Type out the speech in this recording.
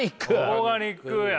オーガニックや。